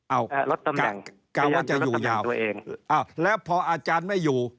เอ้ากลัวว่าจะอยู่ยาวแล้วพออาจารย์ไม่อยู่